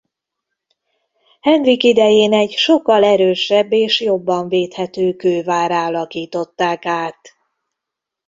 Henrik idején egy sokkal erősebb és jobban védhető kővárrá alakították át.